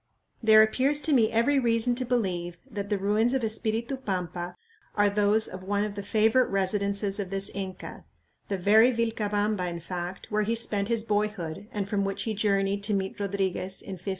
There appears to me every reason to believe that the ruins of Espiritu Pampa are those of one of the favorite residences of this Inca the very Vilcabamba, in fact, where he spent his boyhood and from which he journeyed to meet Rodriguez in 1565.